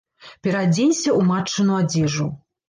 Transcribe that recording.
Пераадзенься ў матчыну адзежу.